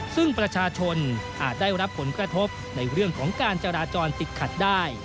ซึ่งประชาชนอาจได้รับผลกระทบในเรื่องของการจราจรติดขัดได้